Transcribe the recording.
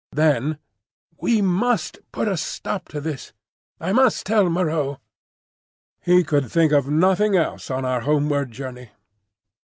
Then: "We must put a stop to this. I must tell Moreau." He could think of nothing else on our homeward journey.